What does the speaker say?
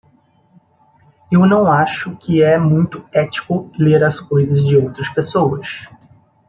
Eu não acho que é muito ético ler as coisas de outras pessoas.